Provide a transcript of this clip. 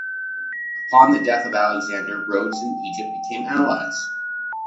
Upon the death of Alexander, Rhodes and Egypt became allies.